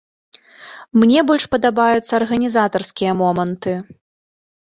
Мне больш падабаюцца арганізатарскія моманты.